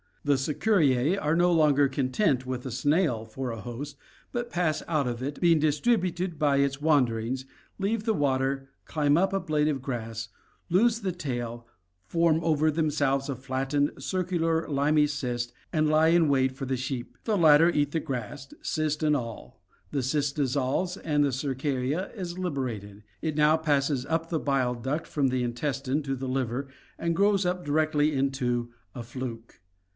The cercariae are no longer content with the snail for a host, but pass out of it, being distributed by its wanderings, leave the water, climb up a blade of grass, lose the tail, form over themselves a flattened, circular, limy cyst and lie in wait for the sheep. The latter eat the grass, cyst and all, the cyst dissolves and the cercaria is liberated. It now passes up the bile duct from the intestine to the liver and grows up directly into a fluke.